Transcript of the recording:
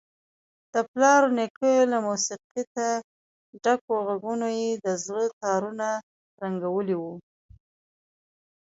د پلار ونیکه له موسیقیته ډکو غږونو یې د زړه تارونه ترنګولي وو.